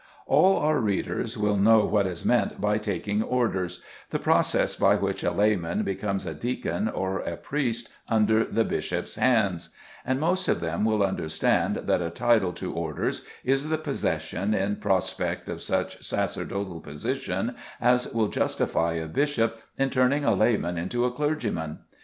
All our readers will know what is meant by taking orders, the process by which a layman becomes a deacon or a priest under the bishop's hands; and most of them will understand that a title to orders is the possession in prospect of such sacerdotal position as will justify a bishop in turning a layman into a clergyman.